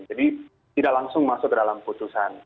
jadi ini tidak langsung masuk ke dalam keputusan